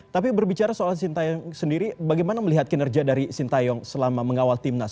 tapi berbicara soal sintayong sendiri bagaimana melihat kinerja dari sintayong selama mengawal timnas